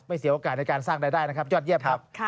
เสียโอกาสในการสร้างรายได้นะครับยอดเยี่ยมครับ